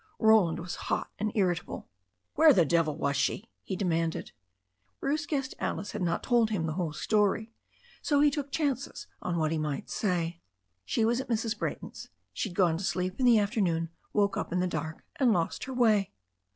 Roland was hot and irritable. "Where the devil was she?" he demanded. Bruce guessed Alice had not told him the whole story, so he took chances on what he might say. "She was at Mrs. Brajrton's. She'd gone to sleep in the afternoon, woke up in the dark, and lost her way."